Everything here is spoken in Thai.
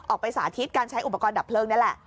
ไปสาธิตการใช้อุปกรณ์ดับเพลิงนี่แหละ